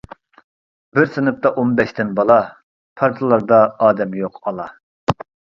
بىر سىنىپتا ئون بەشتىن بالا، پارتىلاردا ئادەم يوق ئالا.